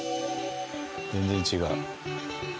全然違う。